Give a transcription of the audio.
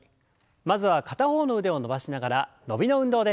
まずは片方の腕を伸ばしながら伸びの運動です。